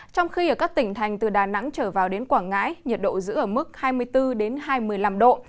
trong khi ở các tỉnh thành từ đà nẵng trở vào đến quảng ngãi nhiệt độ giữ ở mức hai mươi bốn hai mươi năm độ